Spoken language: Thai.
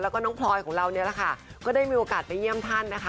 แล้วก็น้องพลอยเรานะคะได้มีวันไปเยี่ยมท่านนะคะ